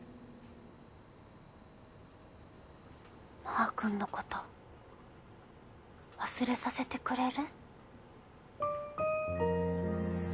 マー君のこと忘れさせてくれる？